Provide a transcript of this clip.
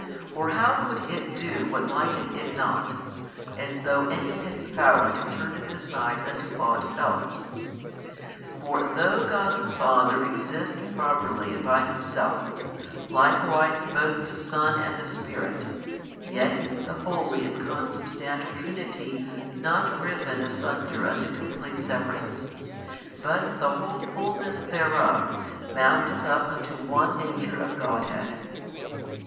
or how could It do what liketh It not, as though any had power to turn it aside unto ought else? For though God the Father exist properly and by Himself, likewise both the Son and the Spirit, yet is the Holy and Consubstantial Trinity not riven asunder unto complete severance, but the whole Fulness thereof mounteth up unto One Nature of Godhead.